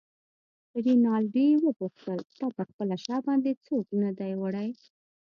رینالډي وپوښتل: تا پر خپله شا باندې څوک نه دی وړی؟